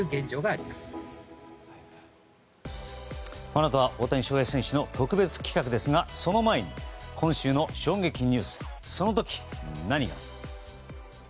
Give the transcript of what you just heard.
このあとは大谷翔平選手の特別企画ですがその前に、今週の衝撃ニュースその時何が。